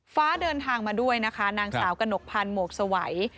ฟ้าเดินทางมาด้วยนะคะนางสาวกระหนกพันธ์หมวกสวัย